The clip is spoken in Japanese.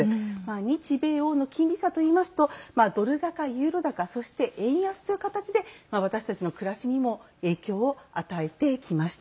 日米欧の金利差といいますとドル高、ユーロ高そして、円安といった形で私たちの暮らしにも影響を与えてきました。